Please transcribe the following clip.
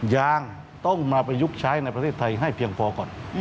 ยางต้องมาประยุกต์ใช้ในประเทศไทยให้เพียงพอก่อน